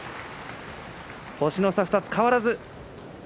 星の差２つ変わらず。